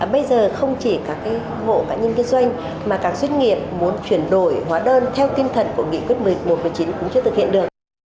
bây giờ không chỉ các ngộ các nhân kinh doanh mà các doanh nghiệp muốn chuyển đổi hóa đơn theo tinh thần của nghị quyết một trăm một mươi chín cũng chưa thực hiện được